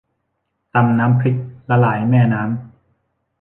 ตำน้ำพริกละลายแม่น้ำ